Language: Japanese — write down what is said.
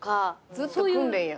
ずっと訓練や。